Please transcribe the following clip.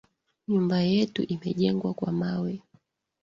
Nyumba yetu imejengwa kwa mawe.